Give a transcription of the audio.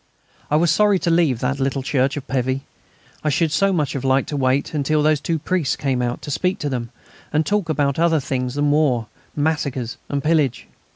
I was sorry to leave the little church of Pévy; I should so much have liked to wait until those two priests came out, to speak to them, and talk about other things than war, massacres and pillage.